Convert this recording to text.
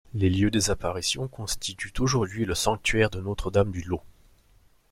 Les lieux des apparitions constituent aujourd'hui le sanctuaire de Notre-Dame du Laus.